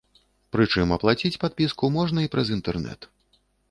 Прычым аплаціць падпіску можна і праз інтэрнэт.